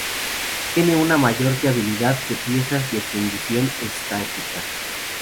Tiene una mayor fiabilidad que piezas de fundición estática.